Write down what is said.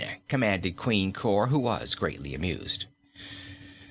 commanded Queen Cor, who was greatly amused.